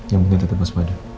yang penting tetap bersepada